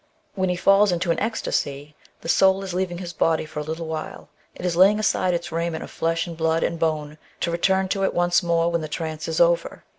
When he falls into an ecstasy, his soul is leaving his body for a little while, it is laying aside its raiment of flesh and blood and bone, to return to it once more when the trance is over.